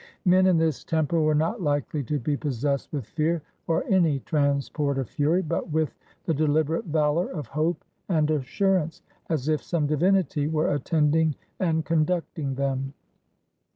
Men, in this temper, were not likely to be possessed with fear or any transport of fury, but with the deliberate valor of hope and assurance, as if some divinity were attending and conducting them.